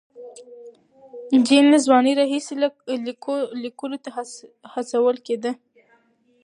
جین له ځوانۍ راهیسې لیکلو ته هڅول کېده.